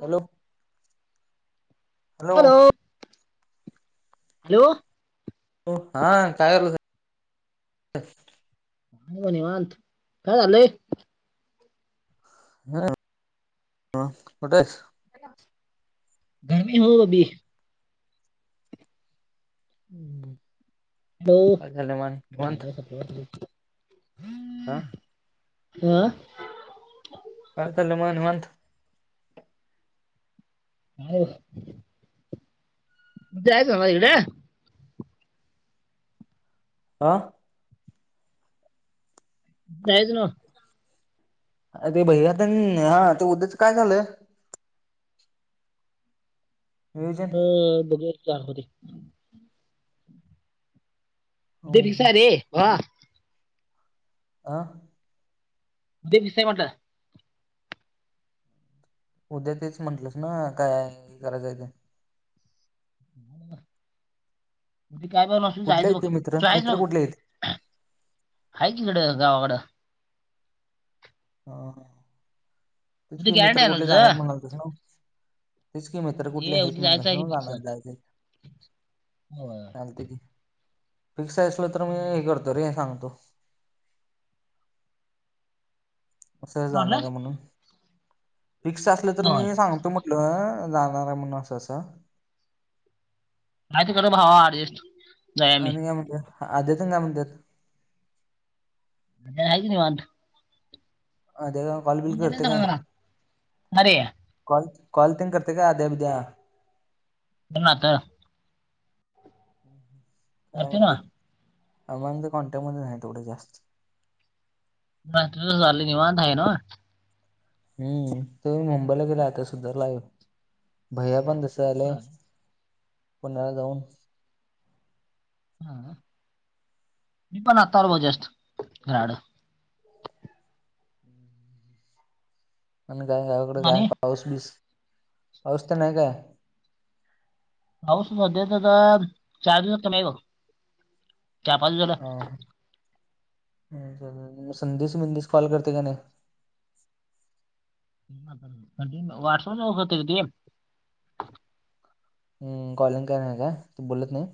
Hello. Hello hello. हां. हा काय करालायस. हो निवांत, काय झालय. हं. ह कुठे आहेस. घर मे हो अभी. हम्म. हॅलो [unintelligible] हां. आ.. काय चाललंय मग निवांत? हां. उद्या हायस नवं इकडं. हां. जायचं नवं. अर ते भैया ते हां.. उद्याचं काय झालंय. नियोजन? ह बघर का होते. [unintelligible] आं. दिप दिसतंय म्हटलं. उद्या तेच म्हंटलंस ना, काय हे करायचंय ते. हा काय ब नसून कुठले जायचं आहेत बघ ते [unintelligible] मित्र न मित्र कुठले आहेत? आहेय की इकडं गावाकडं. हं.. तेच उद्या कि गॅरंटी मित्र आहे ना कुठले जाणार आहेत, तुझं म्हणाल तस नवं. तेच कि मित्र कुठले ये उद्या आहेत म्हणला. जायचं आहे की हं फिक्स जाणार जायचे. चालते की फिक्स असल तर, मी हे करतो रे सांगतो. असे म्हटलं जाणार आहे म्हणून फिक्स असलं तर होय मी सांगतो म नाही जाणार आहे म्हणून असं असं. नाहीतर करो भावा ऍडजस्ट. जाय आम्ही आणि काय म्हणते? आद्या तेन काय म्हणत्यात. दळायच निवांत. अद्या काय कॉल बिल फोन केला करतंय चांगला काय? मला अरे कॉल कॉल तेन करतय काय आध्या बिद्या? करनातं काय करते म्हणते ना अमाऊंट तर कॉन्टॅ मध्ये नाही तेवढं जास्त. म तुझा झाले निवांत आहे ना. हम्म तो मुंबईला गेला आता सुद्धा लाइव. भैया पण दिसालय हा. पुण्याला जाऊन. हा, मी पण आत्ता आलो बघ जस्ट, राड. [inaudible] पण काय गावाकडे काय आणि पाऊस बीस पाऊस तर नाही काय. पाऊस मध्येच आता चार दिवसात कमी आहे बघ. चार पाच दिवस झालं. हा हा अच्छा म्हणजे संदेश बिनदेश कॉल करतंय का नई? आता कधीम, व्हॉट्सअँपच उघडतय रे ते. हम्म, कॉलिंग करणार काय? तू बोलत नाही.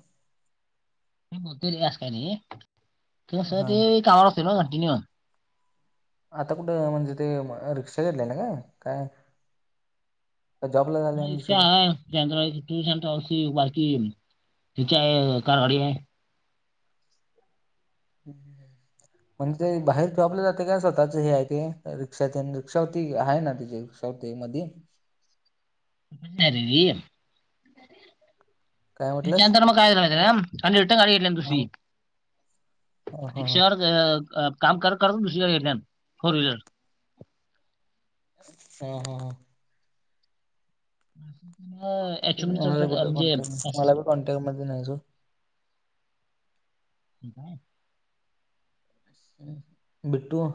ए बोलतंय रे असं काय नाही किंवा सरळ हां ते कामावर असतंय नव्ह कंटिन्यू. आता कुठं म्हणजे ते रिक्षा घेतलेय ना काय काय? का जॉबला झाले म आणि इच्छा दुसरीकडे? हाय. आंध्रास सेंट्रोस ही बकीये तिच्या आई कारवाडी आहे. हम्म. म्हणजे ते बाहेर जॉबला जातंय, आपले जाते काय स्वतःच हे आहे ते रिक्षा तेन रिक्षा होती, आहे ना त्याजी? काय ते मध्ये री पण सॅलेरी? काय म्हटलंस? त्याच्यानंतर मग काय झा आणि रिटर्न गाडी घेतल्यात हा दुसरी. हा हा हा रिक्षावर अ काम करते करत दुसरी [unintelligible] फोर वहीलर. हा हा हा. [inaudible] एच तेच ओ म्हणे चम म्हणालोय चम कुठं एम जी एम कॉन्टॅक्ट अस मला बी कॉन्टॅक्ट मध्ये नाही अजून. ठीक आहे. हम्म बिट्टू?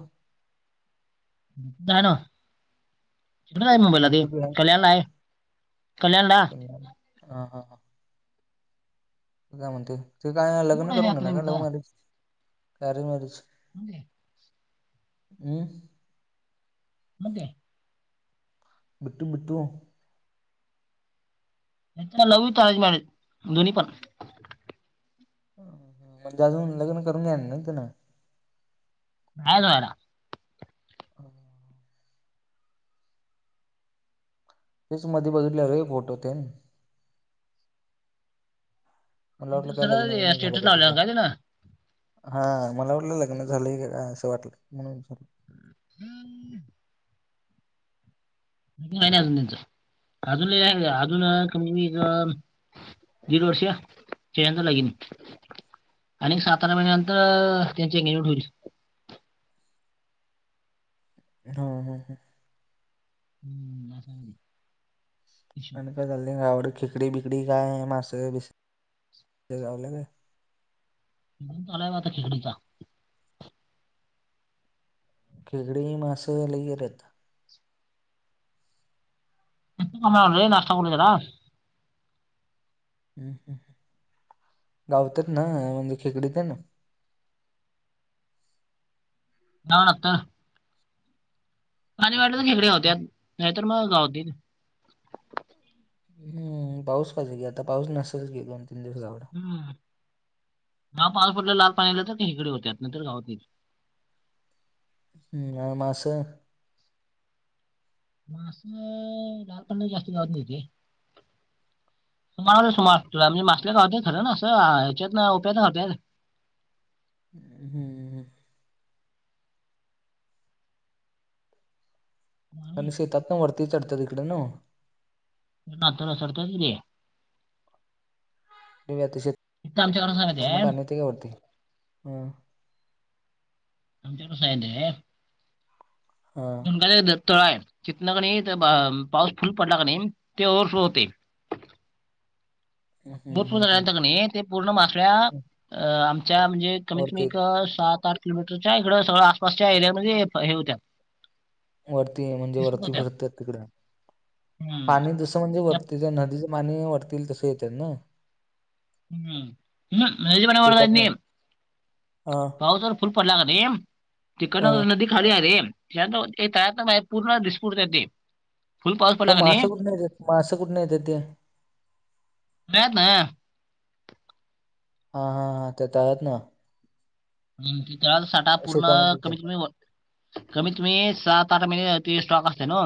झालं नव्ह? कुठं जायचं मुंबईला ते? बिट्टू बी कल्याणला आहे, कल्याणला हम्म, हा हा हा तु काय म्हणते ते काय लग्न कुठं आहे करून आता घेणार का लव्ह नेमकं मॅरेज का अरेरेज मॅरेज? नई. हम्म? हो दे. मिठू मिठू ह्यांचा लव ते अरेंज मॅरेज दोन्ही पण. म्हणजे अजून लग्न करून घ्याणार नव्हतं ना. [unintelligible] ओके हा. तेच मध्ये बघितल्याल रे फोटो तेन मला त्यांचं वाटलं काय लग्न सरळ बिग्न झालं स्टेटस काय तिज. लावलं ते ना हा मला वाटलं लग्न झालं की काय असं वाटलं म्हणून विचारलो. [inaudible] [unintelligible] तुला ही अजून देते अजून ही अजून आणि वेगळं [unintelligible] आणि एक सात आठ महिन्यानंतर त्यांची एंगेजमेंट होईल. ना हा हा हा. [inaudible] [unintelligible] आणि काय चाललंय गावाकडं खेकडी बेकडी काय मासं बीस गावलं काय? मला [unintelligible] खेकडी मासं लय गिऱ्यात. [unintelligible] नाष्टा करून गेला. हम्म हम्म गावतात ना म्हणजे खेकडीत आहे ना. ना आता माझ्या [unintelligible] खेकड्या होत्या नाही तर म गाव दे. हम्म पाऊस पाहिजे की आता पाऊस नसेलच की दोन-तीन दिवस गावाला. हम्म हा पाऊस पडल्यावर लाल पाण्याला [unintelligible] इकडे होते त्यात नाहीतर गावातही. ह आण मासं मासला लाल पाण्या जास्ती गावात नाही ते. [unintelligible] तुला मी मास्टर गाव ते खरं ना असं आ हेच्यात न ओपन होते. ह हम्म् आणि शेतात न वरती चढतात तिकडे नव्ह? नात्याला सडता की रे. [unintelligible] तिथं आमच्याकडे सांगत तिथनं आहे पाणीत येते का वरती हम्म. आमच्या कसा आहे दे? हम् तळा आहे तितन कणी पाऊस फुल पडला कनी ते ओरसो होतेय. हम्म बोट पूर्ण हम्म हम्म रहायलता की नी ते पूर्ण माश्या हम्म. अ आमच्या म्हणजे कमीत वरती कमीक सात आठ किलोमीटरच्या इकडे सगळं आसपासच्या एरियामध्ये प हे होत्या. वरती म्हणजे दिसत वरती होत्या फिरत्यात तिकडे हम्म. पाणी दुस म्हणजे वर त्या तिथ नदीचे पाणी वरतील तसं येतात ना. हम्म ना नदीच्या पाण्यावर काहीच शेतातनं नाही हां पाऊस जर फुल पडला की नाही हां तिकडनं नदी खाली हाय रे या तर तळ्यात बाय पूर्ण दिस पूर्ण येते. फुल पाऊस ह पडला का नाही मासं कुठून येतात मासं कुठून येत ते? तळ्यात न [unintelligible] हा हा त्या तळ्यात ना. ह त्याळाला साठा पूर्ण शेतामध्ये तर कमी कमी [unintelligible] कमीत कमी सात आठ महिने ते स्टॉक असते ना हो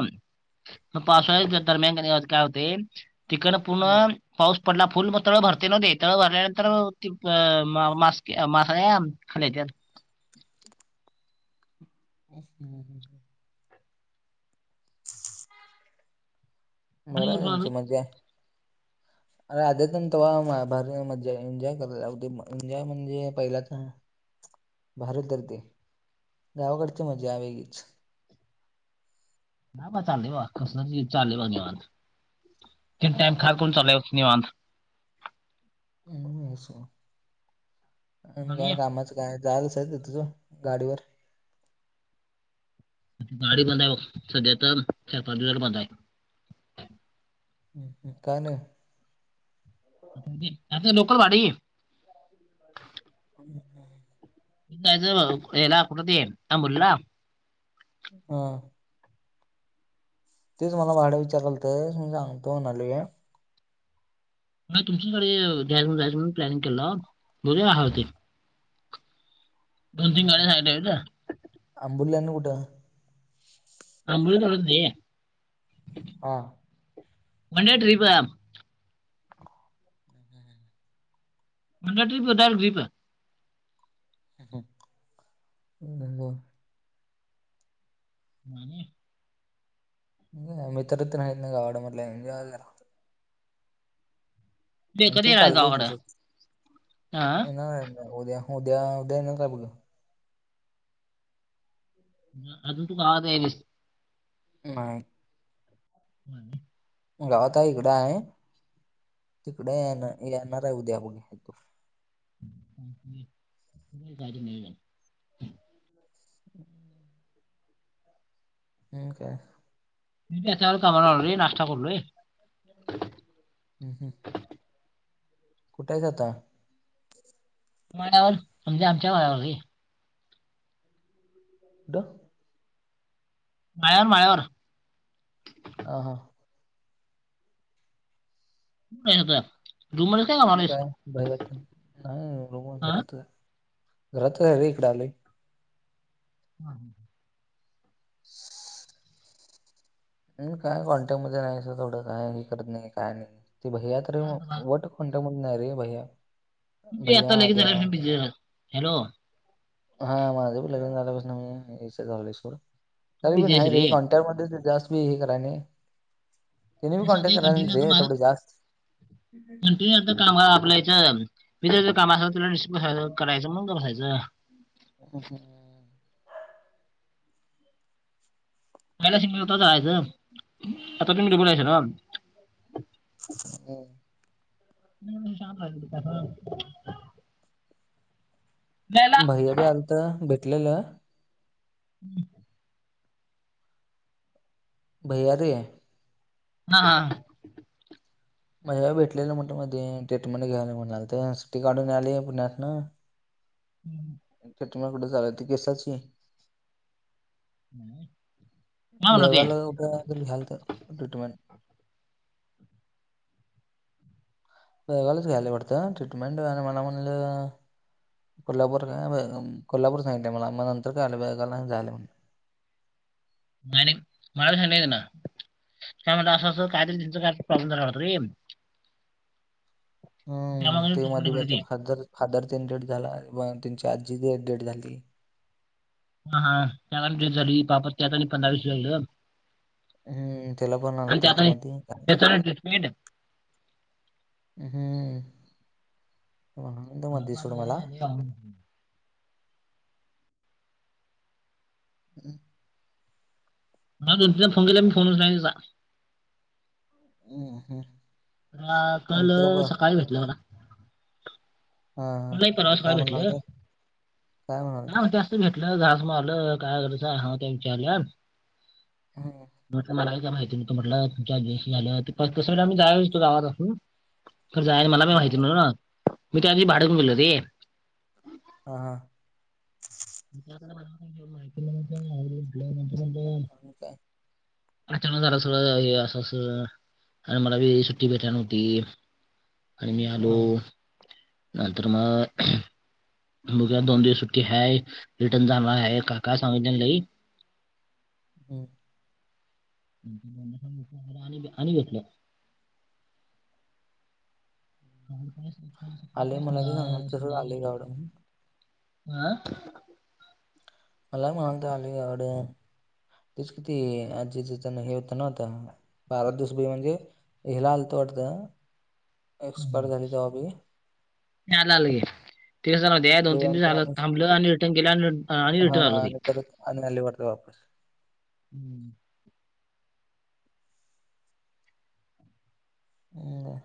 म पावसाळ्यात हां ये तर मेंगणीवच काय होते तिकडनं हां पूर्ण पाऊस पडला फुल मग तळ भरते नव ते तळ भरल्यानंतर ती न मास्की न मासळ्या खाली हेच्यात [inaudible] बरं आणि आहे त्यांची उरफाट- मज्जा आहे. अरे आदितेनं तेव्हा म भारी मज्जा एन्जॉय करत होते एन्जॉय म्हणजे पहिलाचा भारी तर ते गावाकडची मजा आहे वेगळीच. हा बा चाललय बा कसंतरी चाललय बा निवांत एक टाईम खारकुन चाललंय निवांत. [unintelligible] आणि आणि काय कामाचा काय जायल असायचं असेल तुझं गाडीवर. गाडी बंद हाय बघ सध्या तर चार-पाच दिवस झालं बंद आहे. हम्म हम्म का नाय? म्हणजे असं लोकल भाडं येईल. [inaudible] [inaudible] जायचं, हेला कुठं ते अंबोलीला. हा. तेच मला भाडं विचारालतं, मी सांगतो म्हणालोय. म तुमच्याकडे जायच जायचं म्हणून प्लॅनिंग केलो, बघूया हाव ते. हं तीन हं गाड्या साईड आहेत आंबोली आणि कुठं? आंबोली धरण नाही हा. Monday trip. [unintelligible] उद्या ट्रिप होताल ड्रीप. ह [unintelligible] नाही ये. मी नाही मित्र तेन आहेत ना गावाकडं म्हटलं एन्जॉय करा. ते कधी [unintelligible] येणार आहेस चाललं गावाकडं तसंच हा येणार उद्या उद्या उद्या येणार का बघूया. अजून तू गवात यायलयस. नाही. [inaudible] गावात हाय इकडं हाय, तिकडं येणा येणार हाय उद्या बघूया येतो. [unintelligible] गाडी नवीन हाय. [inaudible] हं काय? मी त्याच्याबरोबर कामाला आलूय रे, नाष्टा करूलय. अ हम्म. कुठं हायस आता? मळ्यावर, म्हणजे आमच्या माळावर रे. ड माळ्यावर माळ्यावर. आं. हां. [unintelligible] कामाला आणि आहेस काय बाहेर वाटतं. नाही रूमवर हा घरात, घरात आहे रे हिकडं आलोय. हा हं. [inaudible] काय कॉन्टॅक्ट मध्ये नाही अस तेवढं, काय हे करत नाही काय नाही ती भै्या तरी तुम्ही वट. कॉन्टॅक्ट होत नाही रे भैया. आता भैया लगे आद्या झालं, बिझी झा हॅलो. हा माझं बी लग्न झाल्यापासन मी हेच झालोय सोड. तू तरी मी बिझी आहेस नाही रे कॉ त्यामध्येच ते जास्त बी हे कराय नाही. तुम्ही बी कॉन्टॅक्ट त्यासाठी करायच‌, कंटिन्यू नसतंय रे तेवढं जास्त. तु [unintelligible] कामा [unintelligible] करायचं मग गप बसायचं. हं हं हं. पहिला [unintelligible] जायचं. आता तुम्ही डबल हायसा नव्ह? हं. [unintelligible] जायला भैयाबी आलता भेटलेला. [inaudible] भैया रे हा हा. मला भेटलेलं म्हटलं मध्ये ट्रीटमेंट घ्यायलोय म्हणालतं. सुट्टी काढून आलोय पुण्यातनं हम्म. आणि, ट्रीटमेंट कुठे चालती केसाची. काय म्हणलं ते बेळगावला जाऊ का? जर घ्याल तर ट्रीटमेंट. बेलगावलाच घ्यायला वाटतंय ट्रीटमेंट आणि मला म्हणलं. कोल्हापूर, काय बेळगाव, कोल्हापूर सांगितलंय मला, मग नंतर कळालं बेळगावला झालं म्हणून. नाही, नाही, मला सांगितलंय त्याने, काय म्हणता, असं असं काहीतरी त्यांचा काय प्रॉब्लेम झाला होता रे. हम्म त्यामुळे ते मधी ट्रीटमेंट बी आता घेतली ते फादर, फादर त्यांन डेथ झाला, त्यांची आजी डेथ, डेथ झाली. हा, हा, चार पाच दिवस झाली, पाप त्याचं पंधरा वर्ष झालेलं. हम्म, त्याला पण आणत्यात मधी. [inaudible] आहे ना. हम्म. तर मध्ये वायफाय सोड मला चा आहे आणि. हम्म. मला दोन, तीन, चार, फोन केले, मी फोनच नाही [inaudible] हम्म हम्म. हा काल, आमचं ब सकाळी भेटलं मला. हा हा नाही परवा सकाळी काय म्हणाल भेटलं, तर म्हणाल काय तर म्हणता? तिथून घेतलं, घास मारलं, काय करायच, हा त्या विचारल्यानं. हा. म्हटलं मलाही काय माहिती नाही तो म्हटलं तुमच्या [inaudible] तसं आम्ही [inaudible] गावात असून. तर जायला मला काय माहिती हा नाहीना, मी त्या दिवशी भाडं घेऊन गेलेलो रे. हा हा. नंतर आपल्याला [inaudible] माहिती नाही [inaudible] नंतर म्हणलं. आणि काय अचानक झाल सगळं, हे असं, असं. आम्हाला बी, सुट्टी भेटाया नव्हती. आणि, मी आलो, हा, नंतर मग मग उद्या दोन दिवस सुट्टी आहे, रिटर्न जाणार आहे, काकाला सांगितल्यान लई. हम्म. [unintelligible] आणि, आणि घेतलं. काल सकाळी, सकाळी, सकाळी, आले काय मला बी सांगाल सांगणार, तसंच संध्याकाळी आले गावड गेल्यावरती, म्हणून. हा. मला म्हणून तर आली एवढे. तेच किती, आजीच हे होतं ना आता, बारा दिवस बी म्हणजे ह्याला आलतो वाटतं, एक्सपायर झाली तेव्हा बी. काल आलंय, ते जाऊद्या ते दोन तीन दिवस नंतर आलं, आणि थांबलं आणि रिटर्न गेलं आणि आणि रिटर्न आल ते. पाणी आलंय वाटतं वापस. हम्म. हम्म.